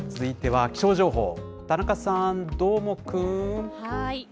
続いては、気象情報、田中さん、どーもくん。